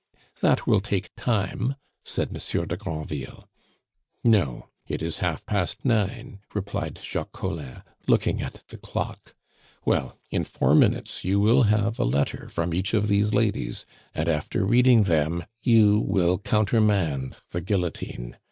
"That will take time," said Monsieur de Granville. "No. It is half past nine," replied Jacques Collin, looking at the clock; "well, in four minutes you will have a letter from each of these ladies, and after reading them you will countermand the guillotine.